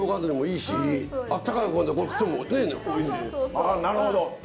あなるほど。